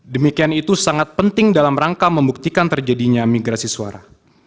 demikian itu sangat penting dalam rangka membuktikan terjadinya migrasi suara